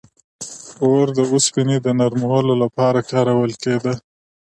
• اور د اوسپنې د نرمولو لپاره کارول کېده.